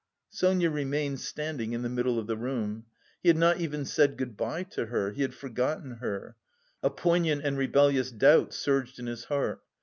Sonia remained standing in the middle of the room. He had not even said good bye to her; he had forgotten her. A poignant and rebellious doubt surged in his heart.